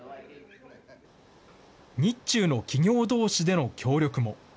日中の企業どうしでの協力も。